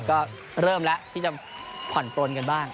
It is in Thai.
ก็เริ่มแล้วที่จะผ่อนปลนกันบ้าง